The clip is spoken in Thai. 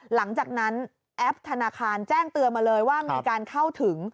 หลังจากนั้นแอปธนาคารแจ้งเตือนมาเลยว่ามีการเข้าถึง